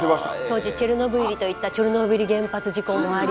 当時チェルノブイリと言ったチョルノービリ原発事故もあり。